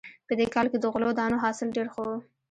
په دې کال کې د غلو دانو حاصل ډېر ښه و